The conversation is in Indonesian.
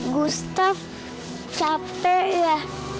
gustaf capek ya